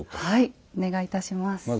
はいお願いいたします。